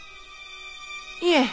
いえ！